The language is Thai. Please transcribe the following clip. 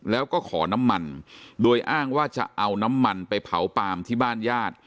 แล้วก็ขอน้ำมันโดยอ้างว่าจะเอาน้ำมันไปเผาปาล์มที่บ้านญาติ